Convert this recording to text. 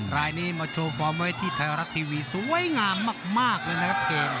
รายนี้มาโชว์ฟอร์มไว้ที่ไทยรัฐทีวีสวยงามมากเลยนะครับเกม